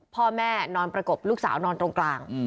พ่อแม่นอนประกบลูกสาวนอนตรงกลาง